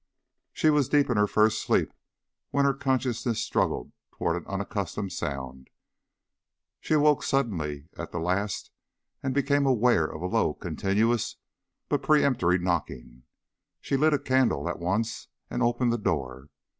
She was deep in her first sleep when her consciousness struggled toward an unaccustomed sound. She awoke suddenly at the last, and became aware of a low, continuous, but peremptory knocking. She lit a candle at once and opened the door.